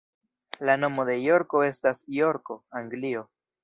La nomo de Jorko estas de Jorko, Anglio.